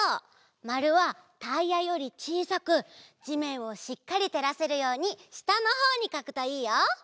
まるはタイヤよりちいさくじめんをしっかりてらせるようにしたのほうにかくといいよ。